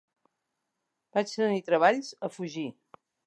Vaig tenir treballs a fugir.